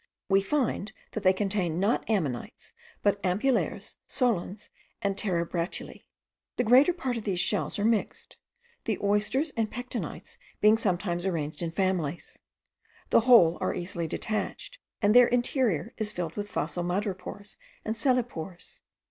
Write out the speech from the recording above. We find they contain not ammonites, but ampullaires, solens, and terebratulae. The greater part of these shells are mixed: the oysters and pectinites being sometimes arranged in families. The whole are easily detached, and their interior is filled with fossil madrepores and cellepores.